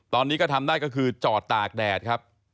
ตอนนี้ก็ทำได้ก็คือจอดตากแดดครับ